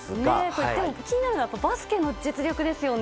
といっても、気になるのはバスケの実力ですよね。